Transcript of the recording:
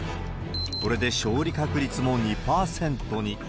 これで勝利確率も２％に。